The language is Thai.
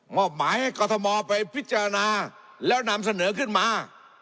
อบหมายให้กรทมไปพิจารณาแล้วนำเสนอขึ้นมา